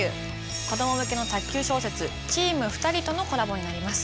子供向けの卓球小説「チームふたり」とのコラボになります。